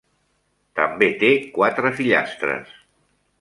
També té quatre fillastres.